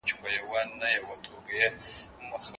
نه رنگ لري او ذره خوند يې په خندا کې نشته